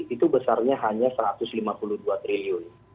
itu besarnya hanya satu ratus lima puluh dua triliun